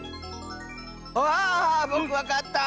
あぼくわかった！